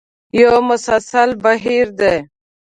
یو مسلسل بهیر دی.